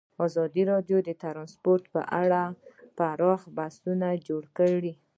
ازادي راډیو د ترانسپورټ په اړه پراخ بحثونه جوړ کړي.